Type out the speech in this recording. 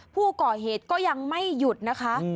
ผู้ก่อเหตุก็ยังไม่หยุดนะคะ